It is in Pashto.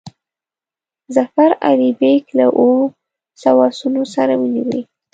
ظفر علي بیګ له اوو سوو آسونو سره ونیوی.